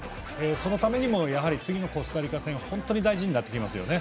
そのためにも次のコスタリカ戦は本当に大事になってきますよね。